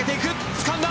つかんだ！